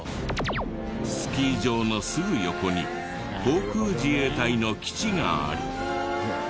スキー場のすぐ横に航空自衛隊の基地があり。